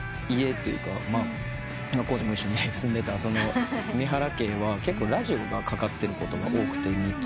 康司も一緒に住んでた三原家は結構ラジオがかかってることが多くて日中。